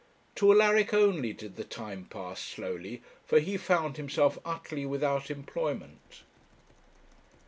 To Alaric only did the time pass slowly, for he found himself utterly without employment.